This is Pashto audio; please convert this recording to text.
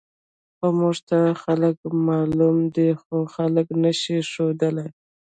خو موږ ته خلک معلوم دي، خو خلک نه شو ښودلی.